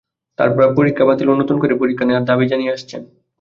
তাঁরা পরীক্ষা বাতিল ও নতুন করে পরীক্ষা নেওয়ার দাবি জানিয়ে আসছেন।